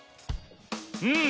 うん。